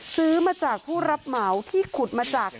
ซื้อมาจากผู้รับเหมาที่ขุดมาจาก